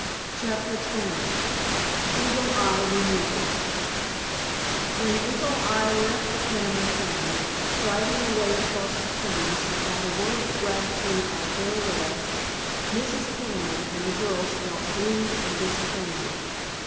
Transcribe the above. *CHAPTER XX* *EAGLE EYE REMEMBERS* When Eagle Eye left the Peniman family, striding away across the plains without a word of gratitude or farewell, Mrs. Peniman and the girls felt grieved and disappointed.